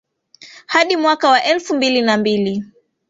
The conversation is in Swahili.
hadi mwaka elfu mbili na mbili